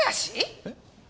えっ？